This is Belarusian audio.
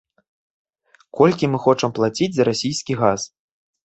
Колькі мы хочам плаціць за расійскі газ?